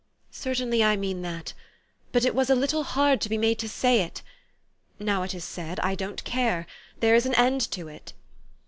" Certainly I mean that. But it was a little hard to be made to say it. Now it is said, I don't care. There is an end to it."